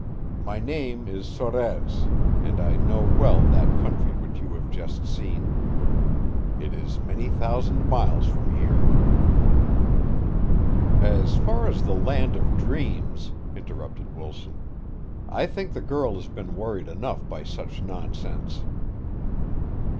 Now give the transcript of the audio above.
My name is Sorez and I know well that country which you have just seen. It is many thousand miles from here." "As far as the land of dreams," interrupted Wilson. "I think the girl has been worried enough by such nonsense."